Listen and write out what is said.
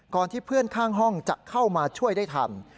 ที่เพื่อนข้างห้องจะเข้ามาช่วยได้ทัน